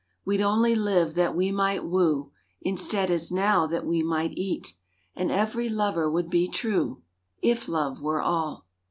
We'd only live that we might woo, (Instead, as now, that we might eat,) And ev'ry lover would be true,— If love were all.